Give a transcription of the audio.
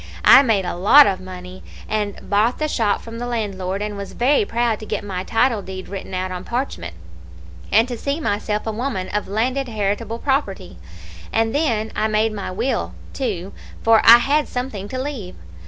I made a lot of money, and I bought the shop from the landlord, and was very proud to get my title deed written out on parchment, and to see myself a woman of landed heritable property; and then I made my will, too, for I had something to leave.